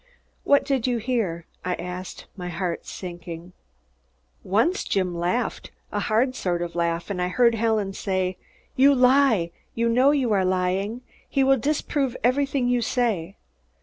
"What did you hear?" I asked, my heart sinking. "Once Jim laughed, a hard sort of laugh, and I heard Helen say, 'You lie! You know you are lying! He will disprove everything you say!'